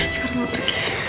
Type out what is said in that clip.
sekarang gue pergi